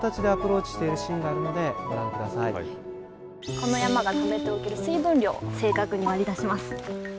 この山がためておける水分量を正確に割り出します。